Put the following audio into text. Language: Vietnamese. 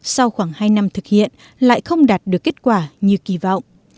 sau khoảng hai năm thực hiện lại không đạt được kết quả như kỳ vọng